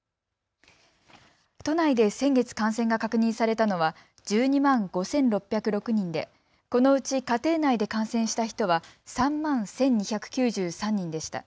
都内で先月、感染が確認されたのは１２万５６０６人でこのうち家庭内で感染した人は３万１２９３人でした。